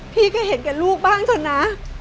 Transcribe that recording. พี่ก็เห็นแก่ลูกบ้างฉันนะ